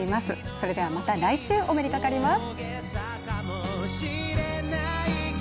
それでは、また来週お目にかかります。